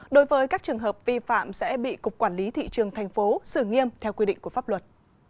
đối với các trường hợp vi phạm sẽ bị cục quản lý thị trường thành phố xử nghiêm theo quy định của pháp luật